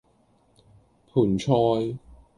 盆菜